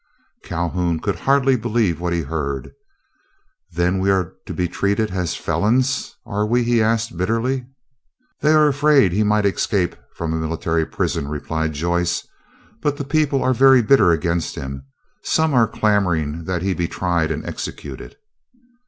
Calhoun could hardly believe what he heard. "Then we are to be treated as felons, are we?" he asked, bitterly. "They are afraid he might escape from a military prison," replied Joyce. "But the people are very bitter against him. Some are clamoring that he be tried and executed."